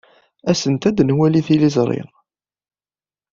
Aset-d ad nwali tiliẓri.